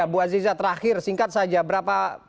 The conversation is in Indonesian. bu aziza terakhir singkat saja berapa